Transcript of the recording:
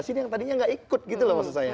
sini yang tadinya nggak ikut gitu loh maksud saya